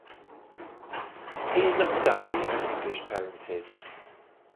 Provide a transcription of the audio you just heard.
He is of Saudi and English parentage.